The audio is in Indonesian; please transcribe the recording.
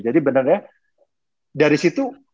jadi beneran ya dari situ